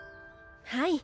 はい。